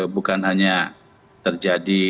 bukan hanya terjadi